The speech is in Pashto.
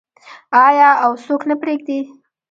آیا او څوک نه پریږدي؟